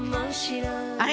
あれ？